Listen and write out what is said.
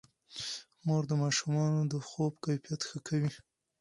مور د ماشومانو د خوب کیفیت ښه کوي.